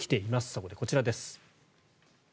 そこでこちらです。